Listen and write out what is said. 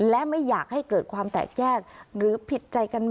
เครียดตามกัน